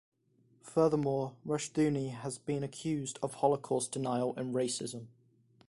Furthermore, Rushdoony has been accused of Holocaust denial and racism.